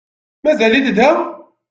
Mazal-it da?